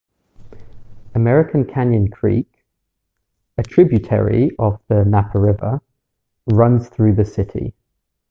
American Canyon Creek, a tributary of the Napa River, runs through the city.